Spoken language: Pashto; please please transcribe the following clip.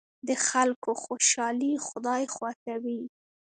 د خلکو خوشحالي خدای خوښوي.